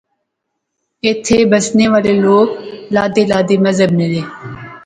ایتھیں بسنے رہنے والے لوک لادے لادے مذہب نے دے